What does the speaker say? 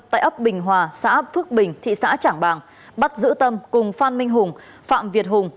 tại ấp bình hòa xã phước bình thị xã trảng bàng bắt giữ tâm cùng phan minh hùng phạm việt hùng